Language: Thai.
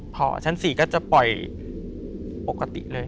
พอชั้น๔ก็จะปล่อยปกติเลย